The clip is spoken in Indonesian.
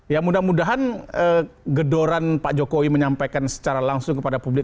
ya mudah mudahan gedoran pak jokowi menyampaikan secara langsung kepada publik